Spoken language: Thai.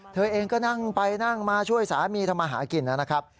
เธอเองก็นั่งไปนั่งมาช่วยสามีทำมาหากินนะครับ